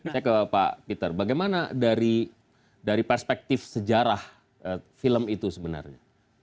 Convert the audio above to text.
saya ke pak peter bagaimana dari perspektif sejarah film itu sebenarnya